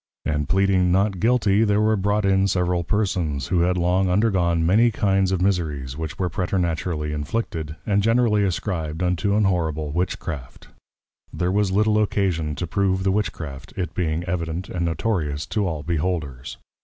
And pleading, Not Guilty, there were brought in several persons, who had long undergone many kinds of Miseries, which were preternaturally inflicted, and generally ascribed unto an horrible Witchcraft. There was little occasion to prove the Witchcraft, it being evident and notorious to all beholders.